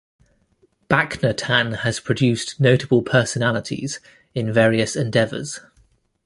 Bacnotan has produced notable personalities in various endeavors.